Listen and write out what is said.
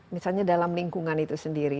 misalnya dalam lingkungan itu sendiri